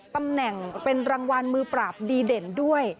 ตำแหน่งเป็นรางวัลมือปราบดีเด่นด้วย